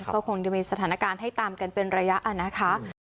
ก็คงจะมีสถานการณ์ให้ตามกันเป็นระยะนะคะ